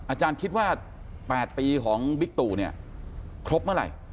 อาจารย์คิดว่า๘ปีของวิกตุครบเมื่อไหร่